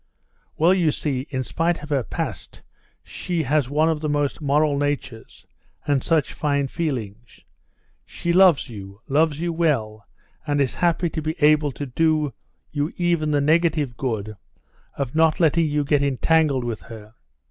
Well, you see, in spite of her past she has one of the most moral natures and such fine feelings. She loves you loves you well, and is happy to be able to do you even the negative good of not letting you get entangled with her.